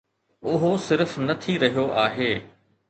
اهو صرف نه ٿي رهيو آهي.